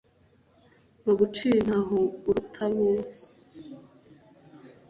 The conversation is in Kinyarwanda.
Mpagucira intaho uratura bose